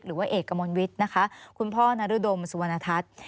หรือว่าเอกกระมวลวิทย์นะคะคุณพ่อนรดมสุวรรณทัศน์